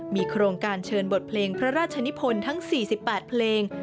มีโครงการเชิญบทเพลงพระราชนิพลทั้ง๔๘เพลง